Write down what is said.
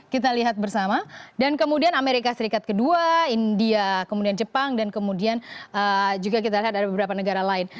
kita lihat bersama dan kemudian amerika serikat kedua india kemudian jepang dan kemudian juga kita lihat ada beberapa negara lain